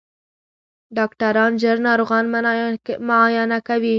ډاکټران ژر ناروغان معاینه کوي.